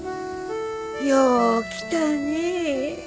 よう来たね。